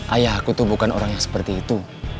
ayahku tuh bukan orang yang seperti itu